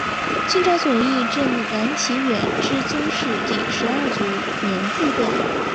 清朝左翼正蓝旗远支宗室第十二族绵字辈。